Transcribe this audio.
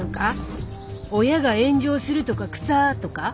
「親が炎上するとか草」とか？